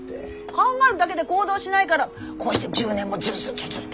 考えるだけで行動しないからこうして１０年もずるずるずるずると。